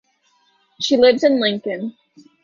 She lives in Lincoln.